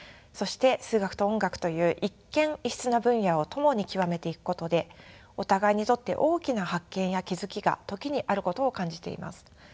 そして数学と音楽という一見異質な分野をともに極めていくことでお互いにとって大きな発見や気付きが時にあることを感じています。